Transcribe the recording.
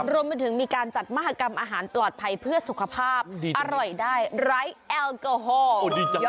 รวมไปถึงมีการจัดมหากรรมอาหารปลอดภัยเพื่อสุขภาพอร่อยได้ไร้แอลกอฮอล์